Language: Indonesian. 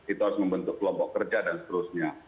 itu harus membentuk kelompok kerja dan seterusnya